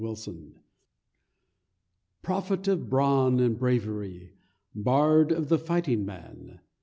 Prophet of brawn and bravery! Bard of the fighting man!